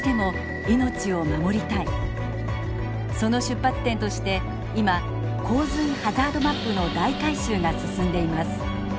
その出発点として今洪水ハザードマップの大改修が進んでいます。